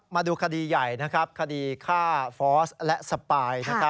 มาดูคดีใหญ่คดีฆ่าฟอร์สและสปาย